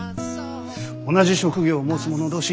同じ職業を持つ者同士